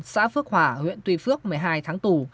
xã phước hòa huyện tuy phước một mươi hai tháng tù